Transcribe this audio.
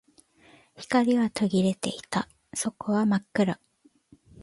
光は途切れていた。底は真っ暗。